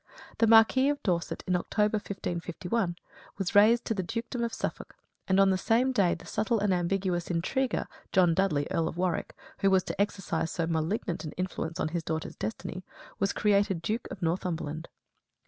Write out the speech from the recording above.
The Marquis of Dorset, in October, 1551, was raised to the dukedom of Suffolk; and on the same day the subtle and ambitious intriguer, John Dudley, Earl of Warwick, who was to exercise so malignant an influence on his daughter's destiny, was created Duke of Northumberland.